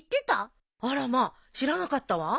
あらま知らなかったわ。